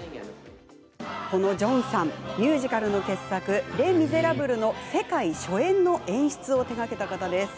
ジョンさんはあのミュージカルの傑作「レ・ミゼラブル」の世界初演の演出を手がけた方です。